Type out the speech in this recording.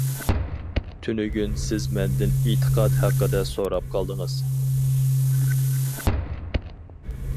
تۈنۈگۈن سىز مەندىن ئېتىقاد ھەققىدە سوراپ قالدىڭىز.